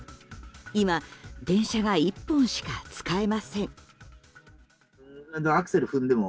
今、電車が１本しか使えません。